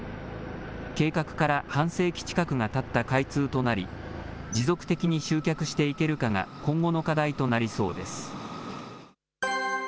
計画から半世紀近くがたった開通となり、持続的に集客していけるかが今後の課題となりそうです。